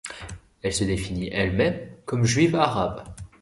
Elle se définit elle-même comme juive arabe.